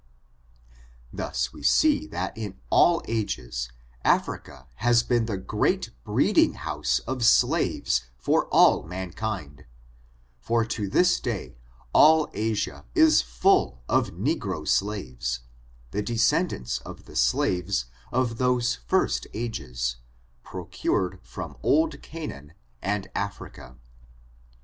Thus we see that in all ages, Africa has been the great breeding house of slaves for all mankind, for at this day all Asia is fiill of negro slaves, the de scendants of the slaves of those first ages, procured from old Canaan and Africa.